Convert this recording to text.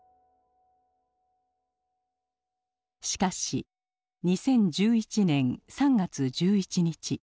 しかし２０１１年３月１１日。